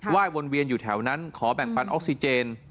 ยวนเวียนอยู่แถวนั้นขอแบ่งปันออกซิเจน